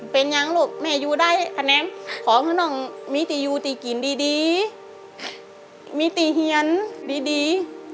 เป็นอย่างลูกแม่อยู่ได้พอน้องมีที่อยู่ที่กินดีมีที่เฮียนดี